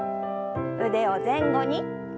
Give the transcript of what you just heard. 腕を前後に。